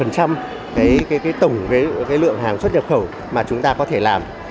cái tổng lượng hàng xuất nhập khẩu mà chúng ta có thể làm